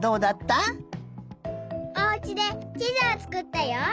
おうちでちずをつくったよ。